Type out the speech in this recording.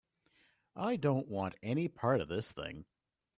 I don't want any part of this thing.